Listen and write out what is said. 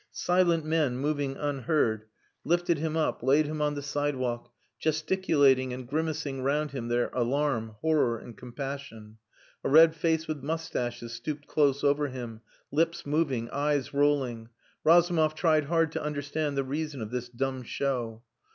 Silent men, moving unheard, lifted him up, laid him on the sidewalk, gesticulating and grimacing round him their alarm, horror, and compassion. A red face with moustaches stooped close over him, lips moving, eyes rolling. Razumov tried hard to understand the reason of this dumb show.